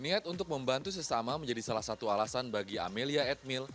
niat untuk membantu sesama menjadi salah satu alasan bagi amelia edmil